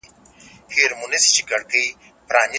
چي یې شور د میني نه وي په سینه کي